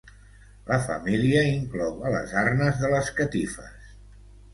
La família inclou a les arnes de les catifes.